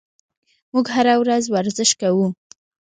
موږ هره ورځ ورزش کوو.